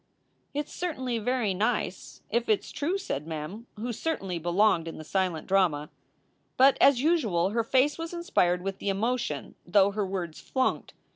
"It s certainly very nice if it s true!" said Mem, who certainly belonged in the silent drama. But, as usual, her face was inspired with the emotion, though her words flunked.